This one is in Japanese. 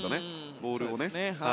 ボールをね。